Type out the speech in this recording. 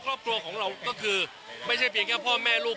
ครอบครัวของเราก็คือไม่ใช่เพียงแค่พ่อแม่ลูก